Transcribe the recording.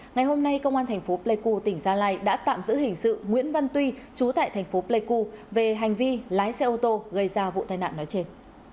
ngày hôm nay công an tp pleiku tỉnh gia lai đã tạm giữ hình sự nguyễn văn tuy chú tại tp pleiku về hành vi lái xe ô tô gây ra vụ tai nạn nói trên